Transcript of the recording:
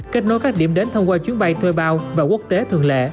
kết nối các điểm đến thông qua chuyến bay thuê bao và quốc tế thường lệ